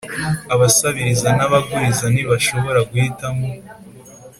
abasabiriza n'abaguriza ntibashobora guhitamo